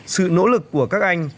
sự nỗ lực của các anh